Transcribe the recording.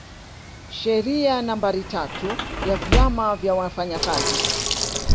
Sheria nambari tatu ya vyama vya wafanyakazi